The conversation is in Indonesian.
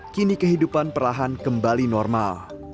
kini kehidupan perlahan kembali normal